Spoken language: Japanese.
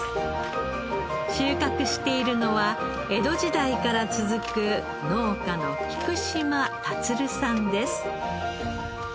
収穫しているのは江戸時代から続く農家の菊島建さんです。